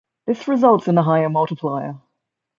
This results in a higher multiplier.